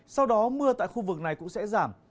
sau đó mưa tại khu vực này cũng sẽ giảm